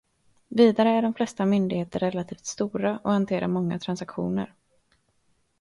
Vidare är de flesta myndigheter relativt stora och hanterar många transaktioner.